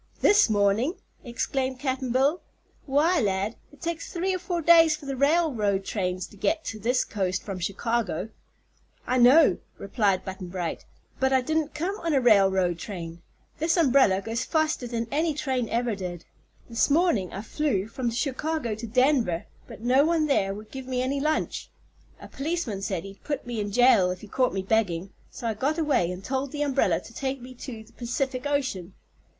"This mornin'!" exclaimed Cap'n Bill. "Why, lad, it takes three or four days for the railroad trains to get to this coast from Chicago." "I know," replied Button Bright, "but I didn't come on a railroad train. This umbrella goes faster than any train ever did. This morning I flew from Chicago to Denver, but no one there would give me any lunch. A policeman said he'd put me in jail if he caught me begging, so I got away and told the umbrella to take me to the Pacific Ocean.